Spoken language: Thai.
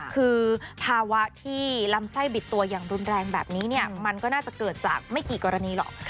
คือภาวะที่ลำไส้บิดตัวอย่างรุนแรงแบบนี้เนี่ยมันก็น่าจะเกิดจากไม่กี่กรณีหรอก